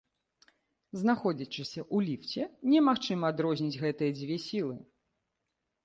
Знаходзячыся ў ліфце, немагчыма адрозніць гэтыя дзве сілы.